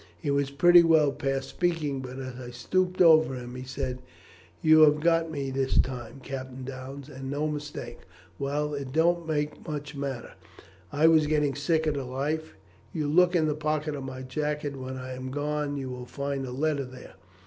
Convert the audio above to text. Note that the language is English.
He was pretty well past speaking, but as I stooped over him he said, 'You have got me this time, Captain Downes, and no mistake. Well, it don't make much matter; I was getting sick of the life. You look in the pocket of my jacket when I am gone, and you will find a letter there.